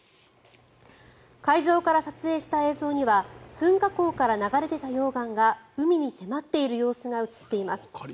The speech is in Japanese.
海上から撮影した映像には噴火口から流れ出た溶岩が海に迫っている様子が映っています。